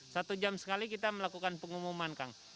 satu jam sekali kita melakukan pengumuman kang